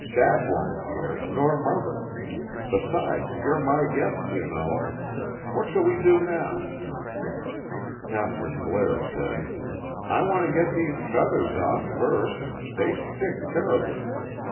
"Dad won't care, nor mother.... Besides, you're my guests, you know.... What shall we do now?" Kathryn Blair said: "I want to get these feathers off first. They stick terribly....